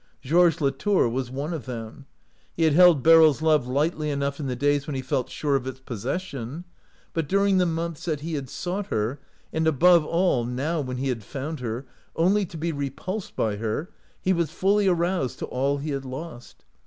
Georges La tour was one of them. He had held Beryl's love lightly enough in the days when he felt sure of its possession, but during the months that he had sought her, and, above all, now when he had found her, only to be repulsed by her, he was fully aroused to all he had lost.